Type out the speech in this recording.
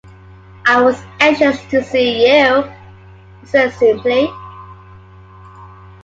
"I was anxious to see you," he said simply.